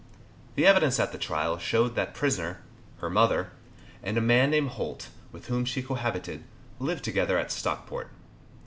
The evidence at the trial showed that prisoner, her mother, and a man named Holt, with whom she cohabited, lived together at Stockport.